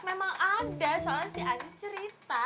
memang ada soalnya si aziz cerita